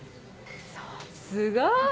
さすが！